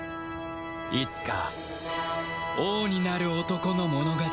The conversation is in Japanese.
いつか王になる男の物語である